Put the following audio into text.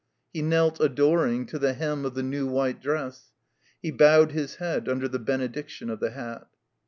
He knelt, adoring, to the hem of the new white dress. He bowed his head under the benediction of the hat.